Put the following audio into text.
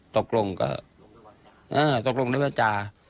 ตกลงก็ตกลงด้วยว่าจา